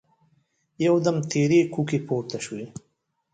يودم تېرې کوکې پورته شوې.